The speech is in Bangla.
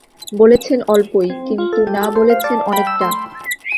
বলেছেন অল্পই, কিন্তু না বলেছেন অনেকটা।